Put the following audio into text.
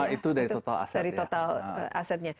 itu dari total asetnya